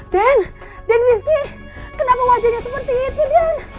den den rizky kenapa wajahnya seperti itu den